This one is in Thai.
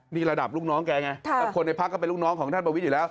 นี่ระดับลูกน้องแกไงคนในพักก็เป็นลูกน้องของท่านประวิทย์อยู่แล้ว